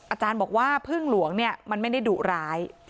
อาจารย์บอกว่าพึ่งหลวงเนี่ยมันไม่ได้ดุร้าย